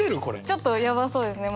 ちょっとやばそうですね。